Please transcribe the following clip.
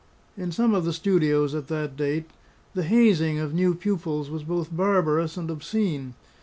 In some of the studios at that date, the hazing of new pupils was both barbarous and obscene.